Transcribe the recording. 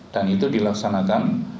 dan itu dilaksanakan